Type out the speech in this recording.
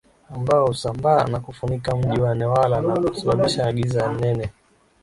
ambao husambaa na kuufunika Mji wa Newala na kusababisha giza nene